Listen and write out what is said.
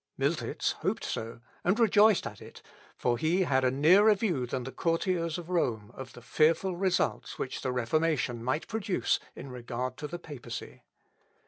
Miltitz hoped so, and rejoiced at it, for he had a nearer view than the courtiers of Rome of the fearful results which the Reformation might produce in regard to the papacy.